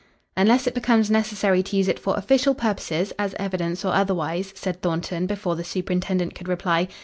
"Unless it becomes necessary to use it for official purposes, as evidence or otherwise," said Thornton before the superintendent could reply.